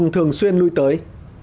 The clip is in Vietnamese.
thường xuyên nuôi tới